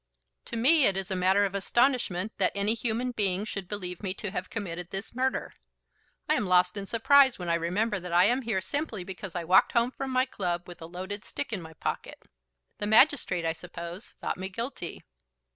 "To me it is a matter of astonishment that any human being should believe me to have committed this murder. I am lost in surprise when I remember that I am here simply because I walked home from my club with a loaded stick in my pocket. The magistrate, I suppose, thought me guilty."